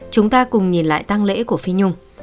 chúng ta cùng nhìn lại tăng lễ của phi nhung